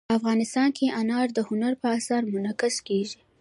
افغانستان کې انار د هنر په اثار کې منعکس کېږي.